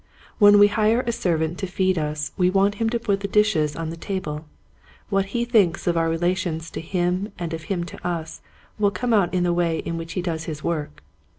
When we hire a servant to feed us we want him to put the dishes on the table : what he thinks of our relations to him and of him to us will come out in the way in which he does his work.